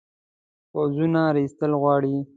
پوځونو را ایستل غواړي.